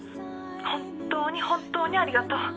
本当に本当にありがとう。